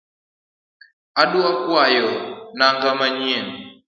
Adwa kwoyo nanga manyien